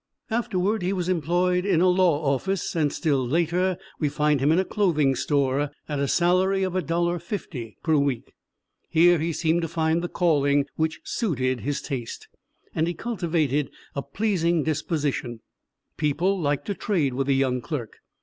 Afterward he was employed in a law office, and still later we find him in a clothing store at a salary of $1.50 per week. Here he seemed to find the calling which suited his taste, and he cultivated a pleasing disposition; people liked to trade with the young clerk.